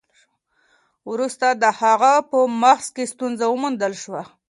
وروسته د هغه په مغز کې ستونزه وموندل شوه.